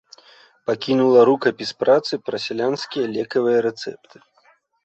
Пакінула рукапіс працы пра сялянскія лекавыя рэцэпты.